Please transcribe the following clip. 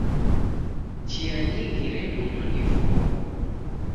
Chia nyingi renonwa ni vua.